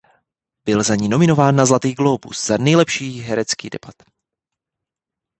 Byl za ni nominován na Zlatý glóbus za nejlepší herecký debut.